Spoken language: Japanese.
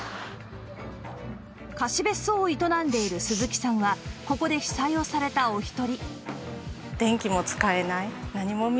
貸別荘を営んでいる鈴木さんはここで被災をされたお一人